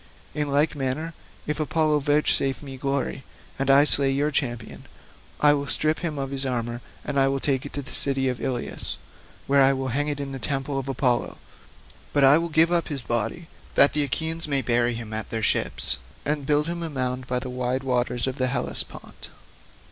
In like manner, if Apollo vouchsafe me glory and I slay your champion, I will strip him of his armour and take it to the city of Ilius, where I will hang it in the temple of Apollo, but I will give up his body, that the Achaeans may bury him at their ships, and then build him a mound by the wide waters of the Hellespont.